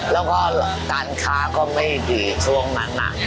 แล้วก็การค้าก็ไม่ดีช่วงนั้นน่ะ